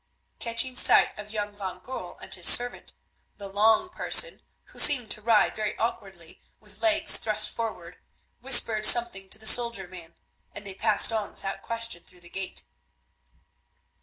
Catching sight of young van Goorl and his servant, the long person, who seemed to ride very awkwardly with legs thrust forward, whispered something to the soldier man, and they passed on without question through the gate.